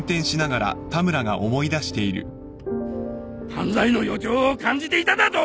犯罪の予兆を感じていただと！